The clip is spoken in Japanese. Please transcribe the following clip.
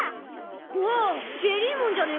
おおジェリーモンじゃねえか。